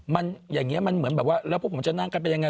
มันอย่างนี้มันเหมือนแบบว่าแล้วพวกผมจะนั่งกันเป็นยังไง